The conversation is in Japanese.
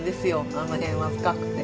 あの辺は深くて。